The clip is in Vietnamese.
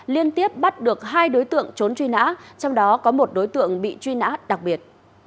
liên tiếp bắt được hai đối tượng trốn truy nã trong đó có một đối tượng bị truy nã đặc biệt